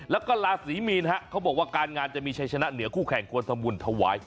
แล้วก็ราศีมีนฮะเขาบอกว่าการงานจะมีชัยชนะเหนือคู่แข่งควรทำบุญถวาย